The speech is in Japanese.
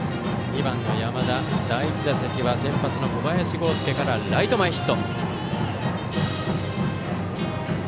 ２番の山田、第１打席は先発の小林剛介からライト前ヒット。